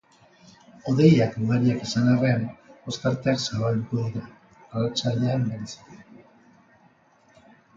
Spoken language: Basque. Hodeiak ugariak izan arren, ostarteak zabalduko dira, arratsaldean bereziki.